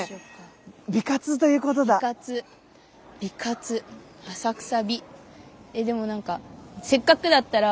美活美活浅草。